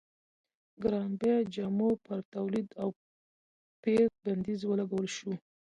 ګران بیه جامو پر تولید او پېر بندیز ولګول شو.